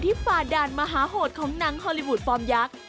ฝ่าด่านมหาโหดของหนังฮอลลี่วูดฟอร์มยักษ์